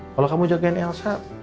kalau kamu jagain elsa